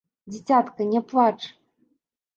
Дзіцятка, ня плач!